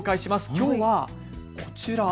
きょうはこちら。